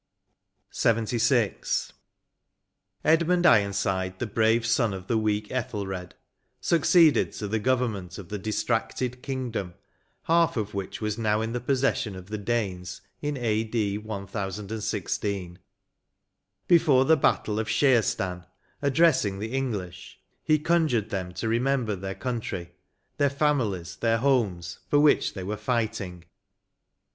152 LXXVI. Edmund Ironside, tbe brave son of the weak Ethelred, succeeded to the govemment of the dis tracted kingdom, half of which was now in the possession of the Danes, in a.d. 1016. Before the battle of Scearstan, addressing the English, he conjured them to remember their country, their families, their homes, for which they were fighting.